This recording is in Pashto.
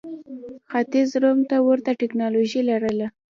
ختیځ روم ته ورته ټکنالوژي لرله.